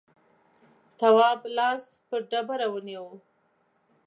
تواب لاس پر ډبره ونيو.